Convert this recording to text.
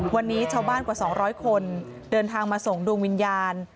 วันนี้ชาวบ้านกว่า๒๐๐คนเดินทางมาส่งดวงวิญญาณ